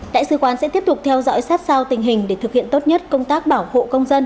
đại sứ quán sẽ tiếp tục theo dõi sát sao tình hình để thực hiện tốt nhất công tác bảo hộ công dân